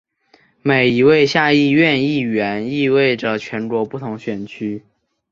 每一位下议院议员代表着全国不同选区。